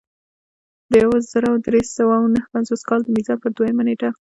د یو زر درې سوه نهه پنځوس کال د میزان پر دویمه نېټه.